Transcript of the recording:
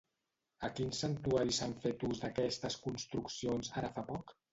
A quin santuari s'han fet ús d'aquestes construccions, ara fa poc?